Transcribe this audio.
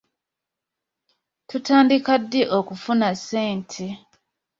Tutandika ddi okufuna ssente.